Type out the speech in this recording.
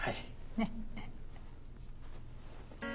ねっ。